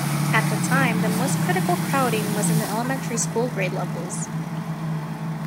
At the time, the most critical crowding was in the elementary school grade levels.